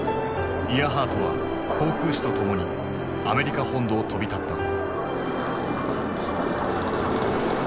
イアハートは航空士とともにアメリカ本土を飛び立った。